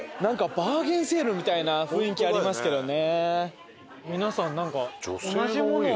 バーゲンセールみたいな雰囲気ありますけどね。